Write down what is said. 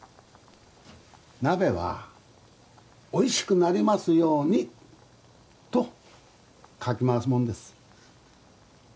鍋はおいしくなりますようにとかき回すもんです